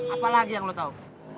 apa lagi yang lu tau